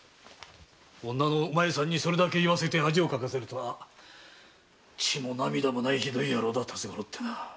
女のお前さんにそれだけ言わせて恥をかかせるとは血も涙もないひどい野郎だ辰五郎ってのは。